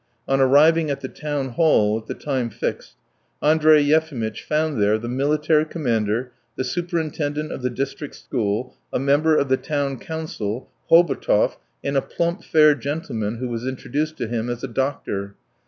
On arriving at the town hall at the time fixed, Andrey Yefimitch found there the military commander, the superintendent of the district school, a member of the town council, Hobotov, and a plump, fair gentleman who was introduced to him as a doctor.